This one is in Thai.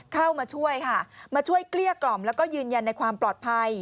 เข้ามาช่วยค่ะมาช่วยเกลี้ยกล่อมแล้วก็ยืนยันในความปลอดภัย